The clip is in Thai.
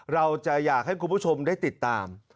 เราจะอยากให้คุณผู้ชมได้ติดตาม